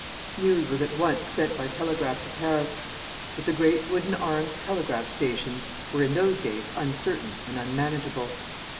News was at once sent by telegraph to Paris; but the great wooden armed telegraph stations were in those days uncertain and unmanageable.